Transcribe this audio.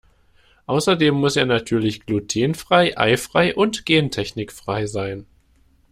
Außerdem muss er natürlich glutenfrei, eifrei und gentechnikfrei sein.